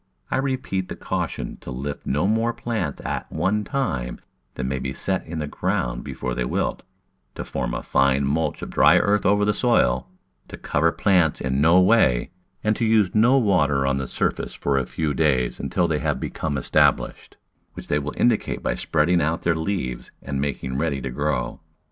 I repeat the caution to lift no more plants at one time than may be set in the ground before they wilt; to form a fine mulch of dry earth over the soil ; to cover plants in no way, and to use no water on the surface Digitized by Google 56 The Flower Garden [Chaptci for a few days until they have become established, which they will indicate by spreading out their leaves aqd making ready to grow.